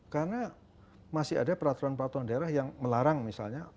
karena masih ada peraturan peraturan daerah yang melarang misalnya